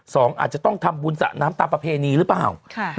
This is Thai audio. สองอาจจะต้องทำบุญสระน้ำตามประเพณีหรือเปล่า